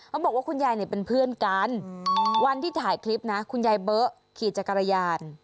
มันบอกว่าคุณยายเป็นเพื่อนกันวันที่ถ่ายคลิปนะคุณยายเบอะขี่จักรยาน